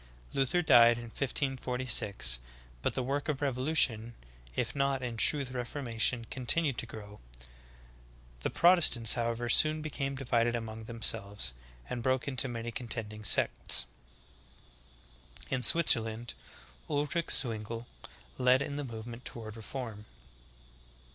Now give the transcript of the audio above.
Luther died in 1546, but the work of revolution, if not in truth reformation, con tinued to grow. The Protestants, however, soon became di vided among themselves, and broke up into many contending sects. 9. In Switzerland, Ulrich Zwingle led in the movement toward reform.